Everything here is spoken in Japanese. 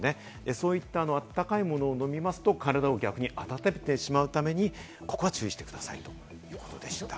そういった温かいものを飲みますと体を逆に温めてしまうために、ここは注意してくださいということでした。